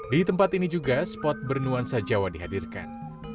di tempat ini juga spot bernuansa jawa dihadirkan